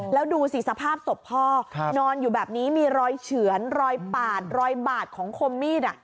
แล้วดูสิสภาพศพพ่อนอนอยู่แบบนี้มีรอยเฉือนรอยปาดรอยบาดของคมมีด